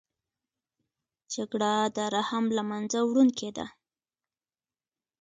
جګړه د رحم له منځه وړونکې ده